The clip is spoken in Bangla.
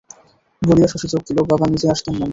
বলিয়া শশী যোগ দিল, বাবা নিজে আসতেন নন্দ।